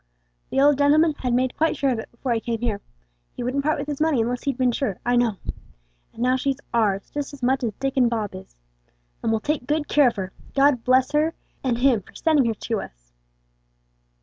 The old gentleman had made quite sure of it before he came here he wouldn't part with his money unless he'd been sure, I know; and now she's ours, just as much as Dick and Bob is. And we'll take good care of her, God bless her, and Him for sending her to us."